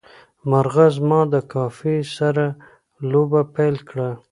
مرغه زما د کافي سره لوبه پیل کړه.